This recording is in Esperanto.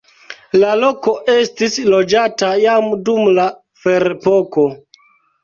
La loko estis loĝata jam dum la ferepoko.